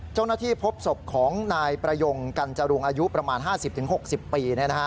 เจ้าหน้าที่พบศพของนายประยงกันจรุงอายุประมาณ๕๐๖๐ปี